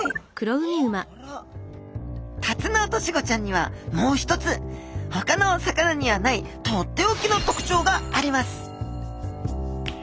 タツノオトシゴちゃんにはもう一つほかのお魚にはないとっておきの特徴があります